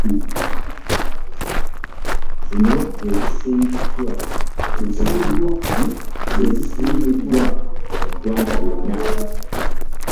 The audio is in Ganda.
Zino ze zisimiddwa mu ggwanga lyonna